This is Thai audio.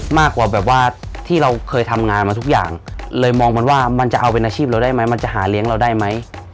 มากกว่าแบบว่าที่เราเคยทำงานมาทุกอย่างเลยมองมันว่ามันจะเอาเป็นอาชีพเราได้ไหมมันจะหาเลี้ยงเราได้ไหม